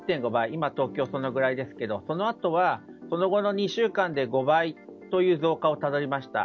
今、東京はそのぐらいですがこのあとは、その後の２週間で５倍という増加をしました。